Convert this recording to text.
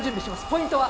ポイントは？